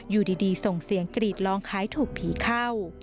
อยู่ดีส่งเสียงกรีดร้องคล้ายถูกผีเข้า